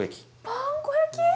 パン粉焼き？